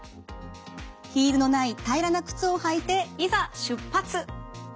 ヒールのない平らな靴を履いていざ出発。